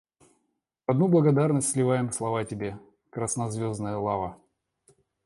В одну благодарность сливаем слова тебе, краснозвездная лава.